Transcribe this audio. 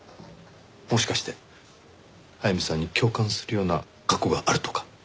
もしかして早見さんに共感するような過去があるとか？